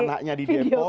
anaknya di depo